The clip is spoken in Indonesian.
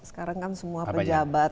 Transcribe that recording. sekarang kan semua pejabat